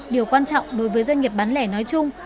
điều quan trọng đối với doanh nghiệp bán lẻ nói chung